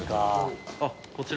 あっこちら？